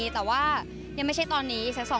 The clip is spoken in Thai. แต่ว่ายังไม่ใช่ตอนนี้สัก๒